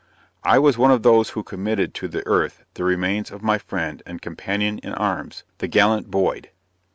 I was one of those who committed to the earth the remains of my friend and companion in arms, the gallant Boyd.